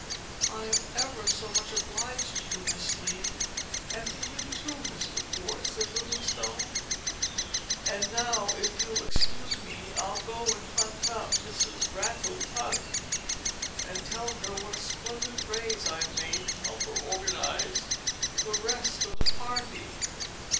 "I'm ever so much obliged to you, Miss Lee, and to you too, Mr. Port," said Livingstone. "And now, if you'll excuse me, I'll go and hunt up Mrs. Rattle ton, and tell her what a splendid raise I've made, and help her organize the rest of the party.